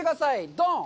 ドン！